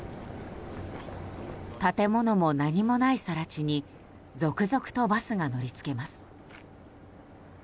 建物も何もない更地に続々とバスが乗りつけます。